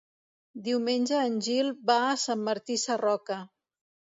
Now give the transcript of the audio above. Diumenge en Gil va a Sant Martí Sarroca.